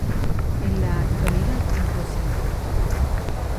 En la actualidad es docente.